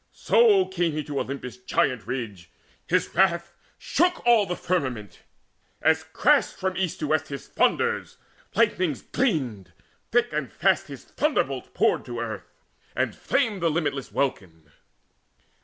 So came he to Olympus' giant ridge. His wrath shook all the firmament, as crashed From east to west his thunders; lightnings gleamed, As thick and fast his thunderbolts poured to earth, And flamed the limitless welkin.